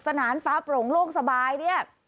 สนานฟ้าโปร่งโล่งสบาย